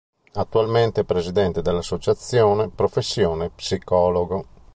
Attualmente è presidente dell'associazione Professione Psicologo.